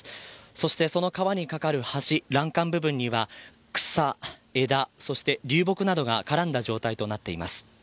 そしてその川に架かる橋欄干部分には草、枝そして流木などが絡んだ状態となっています。